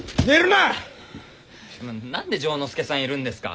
な何で丈之助さんいるんですか？